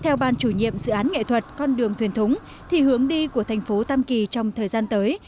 theo ban chủ nhiệm dự án nghệ thuật con đường thuyền thúng thì hướng đi của thành phố tam kỳ trong thời gian tới